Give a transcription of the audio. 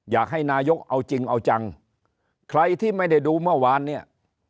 อยากให้นายกเอาจริงเอาจังใครที่ไม่ได้ดูเมื่อวานเนี่ย